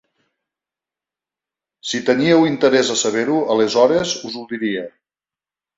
Si teníeu interès a saber-ho, aleshores us ho diria.